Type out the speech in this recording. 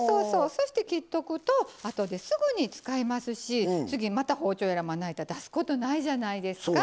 そして切っとくとあとですぐに使えますし次また包丁やらまな板出すことないじゃないですか。